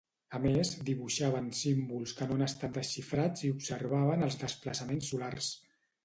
A més, dibuixaven símbols que no han estat desxifrats i observaven els desplaçaments solars.